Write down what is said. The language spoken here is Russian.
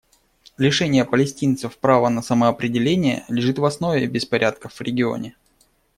Лишение палестинцев права на самоопределение лежит в основе беспорядков в регионе.